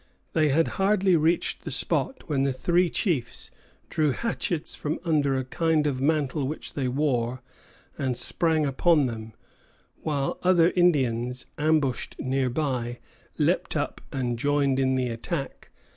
They had hardly reached the spot when the three chiefs drew hatchets from under a kind of mantle which they wore and sprang upon them, while other Indians, ambushed near by, leaped up and joined in the attack.